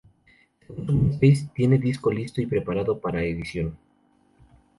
Según su "myspace" tiene disco listo y preparado para edición.